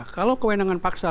kalau kewenangan paksa